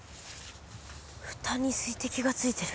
蓋に水滴がついてる。